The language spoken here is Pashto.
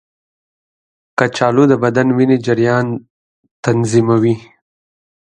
کچالو د بدن وینې جریان تنظیموي.